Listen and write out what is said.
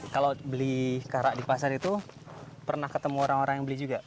kalau beli karak di pasar itu pernah ketemu orang orang yang beli juga